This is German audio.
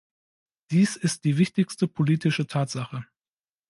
Dies ist die wichtigste politische Tatsache.